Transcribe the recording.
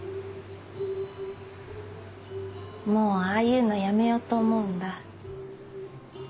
もうああいうのやめようと思うんだ。